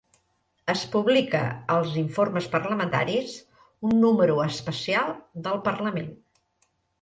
Es publica als "Informes parlamentaris", un número especial del Parlament.